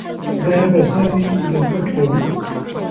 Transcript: ذهب سامي إلى المكتب.